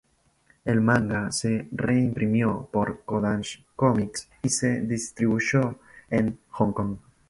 El manga se reimprimió por Kodansha comics, y se distribuyó en Hong Kong.